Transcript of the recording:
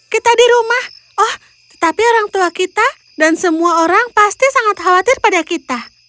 kita di rumah oh tetapi orang tua kita dan semua orang pasti sangat khawatir pada kita